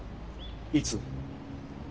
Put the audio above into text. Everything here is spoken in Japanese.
いつ？